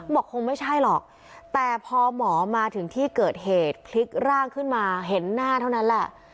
บอกคงไม่ใช่หรอกแต่พอหมอมาถึงที่เกิดเหตุพลิกร่างขึ้นมาเห็นหน้าเท่านั้นแหละ